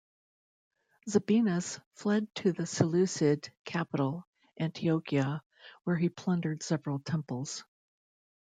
Zabinas fled to the Seleucid capital Antiochia, where he plundered several temples.